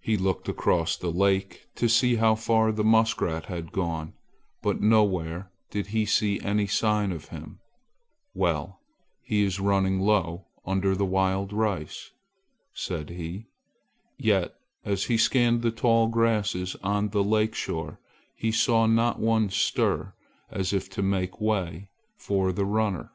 He looked across the lake to see how far the muskrat had gone, but nowhere did he see any sign of him. "Well, he is running low under the wild rice!" said he. Yet as he scanned the tall grasses on the lake shore, he saw not one stir as if to make way for the runner.